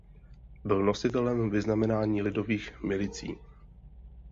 Byl nositelem vyznamenání Lidových milicí.